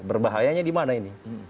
berbahayanya di mana ini